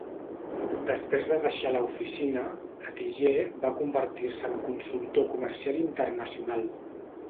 Després de deixar la oficina, Atiyeh va convertir-se en consultor comercial internacional.